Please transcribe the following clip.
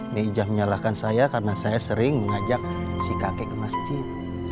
nijah menyalahkan saya karena saya sering mengajak si kakek ke masjid